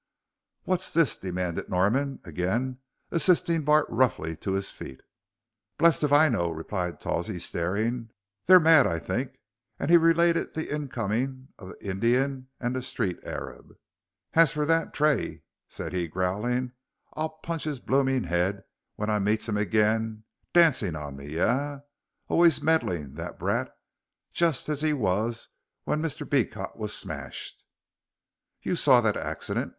"What's this?" demanded Norman, again assisting Bart roughly to his feet. "Blest if I know," replied Tawsey, staring; "they're mad, I think," and he related the incoming of the Indian and the street arab. "As for that Tray," said he, growling, "I'll punch his blooming 'ead when I meets him agin, dancing on me yah. Allays meddlin' that brat, jus' as he wos when Mr. Beecot was smashed." "You saw that accident?"